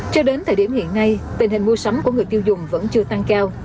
cho đến thời điểm hiện nay tình hình mua sắm của người tiêu dùng vẫn chưa tăng cao